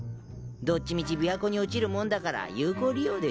どっちみち琵琶湖に落ちるもんだから有効利用でしょ？